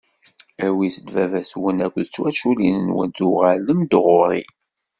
Awit-d baba-twen akked twaculin-nwen, tuɣalem-d ɣur-i.